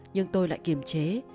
nhưng tôi lại kiềm chế